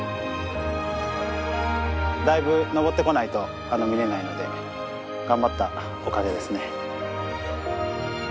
だいぶ登ってこないと見れないので頑張ったおかげですね。